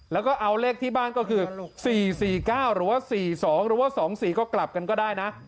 แล้วก็เอาเลขที่บ้านก็คือ๔๔๙หรือว่า๔๒หรือว่า๒๔ก็กลับกันก็ได้นะ